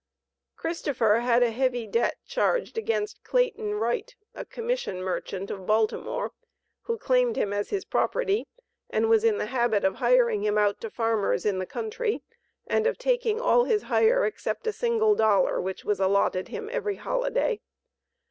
Christopher had a heavy debt charged against Clayton Wright, a commission merchant, of Baltimore, who claimed him as his property, and was in the habit of hiring him out to farmers in the country, and of taking all his hire except a single dollar, which was allotted him every holiday.